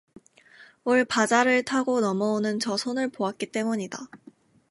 울바자를 타고 넘어오는 저 손을 보았기 때문이다.